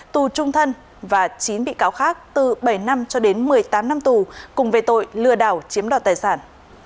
tù trung thân và chín bị cáo khác từ bảy năm cho đến một mươi tám năm tù cùng về tội lừa đảo chiếm đoạt tài sản